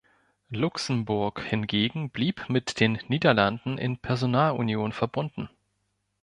Luxemburg hingegen blieb mit den Niederlanden in Personalunion verbunden.